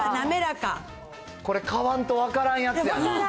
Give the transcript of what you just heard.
これ、買わんと分からんやつや。